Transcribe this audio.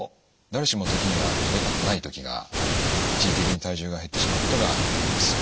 誰しも時には食べたくない時があり一時的に体重が減ってしまうことがあります。